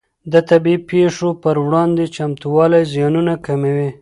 د طبیعي پېښو پر وړاندې چمتووالی زیانونه کموي.